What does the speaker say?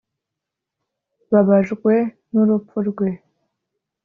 babajwe n’urupfu rwe